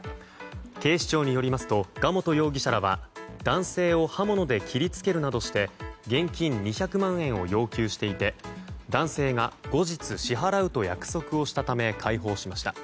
警視庁によりますと賀本容疑者らは男性を刃物で切り付けるなどして現金２００万円を要求していて男性が後日支払うと約束をしたため解放しました。